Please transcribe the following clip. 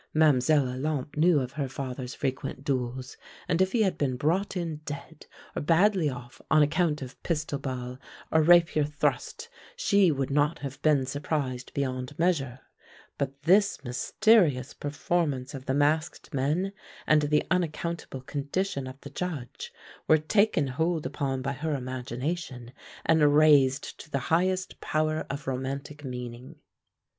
Mlle. Olympe knew of her father's frequent duels, and if he had been brought in dead or badly off on account of pistol ball or rapier thrust she would not have been surprised beyond measure, but this mysterious performance of the masked men and the unaccountable condition of the Judge were taken hold upon by her imagination and raised to the highest power of romantic meaning.